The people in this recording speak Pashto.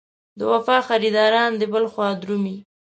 د وفا خریداران دې بل خوا درومي.